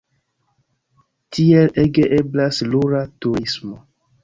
Tiele ege eblas rura turismo.